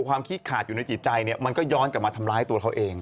ขี้ขาดอยู่ในจิตใจเนี่ยมันก็ย้อนกลับมาทำร้ายตัวเขาเอง